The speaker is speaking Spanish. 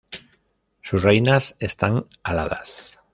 Sus reinas están aladas.